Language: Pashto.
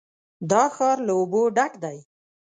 دا ښار له اوبو ډک دی.